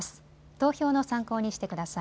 投票の参考にしてください。